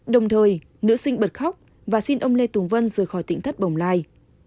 đồng thời nữ sinh bật khóc và xin ông lê tùng vân rời khỏi tỉnh thất bồng lai